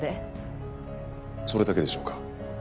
それだけでしょうか。